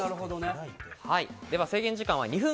では、制限時間は２分。